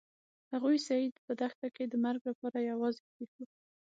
هغوی سید په دښته کې د مرګ لپاره یوازې پریښود.